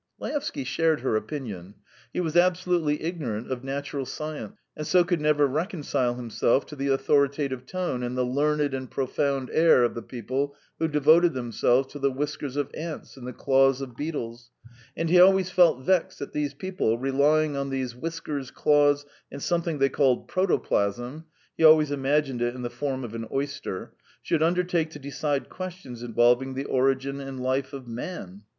Laevsky shared her opinion. He was absolutely ignorant of natural science, and so could never reconcile himself to the authoritative tone and the learned and profound air of the people who devoted themselves to the whiskers of ants and the claws of beetles, and he always felt vexed that these people, relying on these whiskers, claws, and something they called protoplasm (he always imagined it in the form of an oyster), should undertake to decide questions involving the origin and life of man.